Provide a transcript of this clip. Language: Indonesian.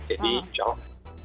jadi insya allah